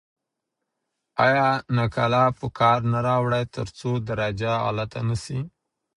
آیا نقاله په کار نه راوړئ ترڅو درجه غلطه نه سی؟